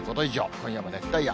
今夜も熱帯夜。